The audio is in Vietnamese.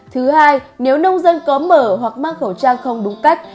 thứ hai nếu nông dân có mở hoặc mang khẩu trang không đúng cách